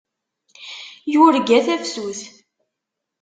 Yurga tafsut.